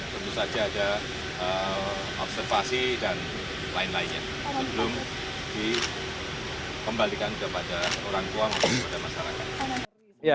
tentu saja ada observasi dan lain lainnya sebelum dikembalikan kepada orang tua kepada masyarakat